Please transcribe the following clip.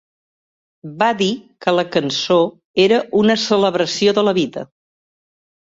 Va dir que la cançó era una celebració de la vida.